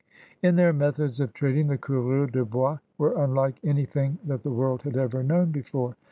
In their methods of trading the coureurs de bois were unlike anything that the world had ever known before.